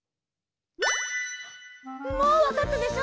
もうわかったでしょ？